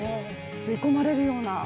吸い込まれるような。